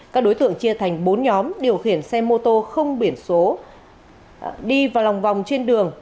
các đối tượng chia thành bốn nhóm điều khiển xe mô tô không biển số đi vào lòng vòng trên đường